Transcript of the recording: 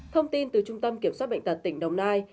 thông tin từ trung tâm kiểm soát bệnh tật tỉnh đồng nai